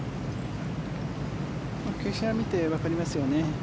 傾斜を見てわかりますよね。